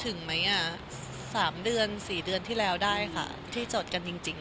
ถึงไหมอ่ะ๓เดือน๔เดือนที่แล้วได้ค่ะที่จดกันจริง